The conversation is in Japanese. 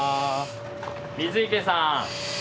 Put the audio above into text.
水池さん。